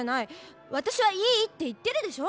わたしはいいって言ってるでしょ。